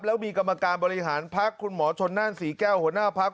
แล้วมีกรรมการบริหารพักคุณหมอชนนั่นศรีแก้วหัวหน้าพัก